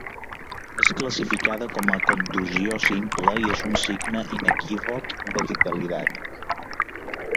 És classificada com a contusió simple i és un signe inequívoc de vitalitat.